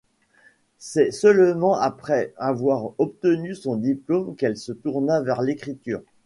C'est seulement après avoir obtenu son diplôme qu'elle se tourna vers l'écriture.